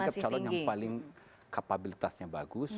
masih dalam calon yang paling kapabilitasnya bagus